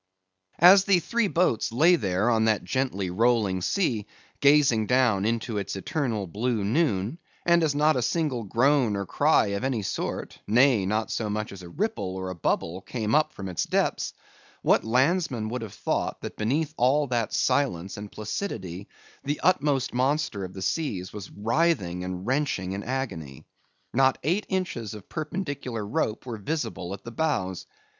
As the three boats lay there on that gently rolling sea, gazing down into its eternal blue noon; and as not a single groan or cry of any sort, nay, not so much as a ripple or a bubble came up from its depths; what landsman would have thought, that beneath all that silence and placidity, the utmost monster of the seas was writhing and wrenching in agony! Not eight inches of perpendicular rope were visible at the bows.